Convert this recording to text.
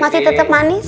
masih tetep manis